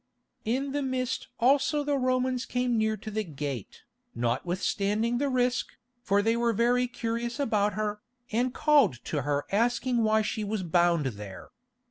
In the mist also the Romans came near to the gate, notwithstanding the risk, for they were very curious about her, and called to her asking why she was bound there.